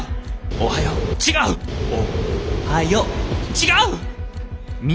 違う！